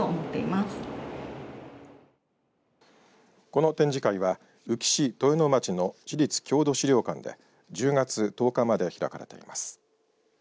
この展示会は宇城市豊野町の市立郷土資料館で１０月１０日まで開かれています。